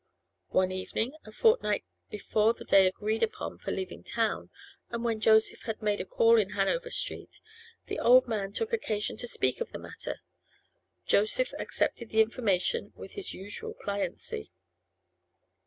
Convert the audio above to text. One evening, a fortnight before the day agreed upon for leaving town, and when Joseph had made a call in Hanover Street, the old man took occasion to speak of the matter. Joseph accepted the information with his usual pliancy.